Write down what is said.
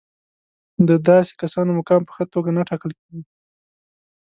د داسې کسانو مقام په ښه توګه نه ټاکل کېږي.